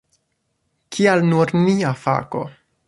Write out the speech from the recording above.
Kial nur nia fako?